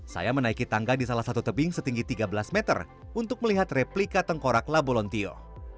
saya menaiki tangga di salah satu tebing setinggi tiga belas meter untuk melihat replika tengkorak labolontio